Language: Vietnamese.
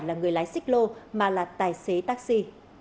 là người lái xích lô mà là tài xế taxi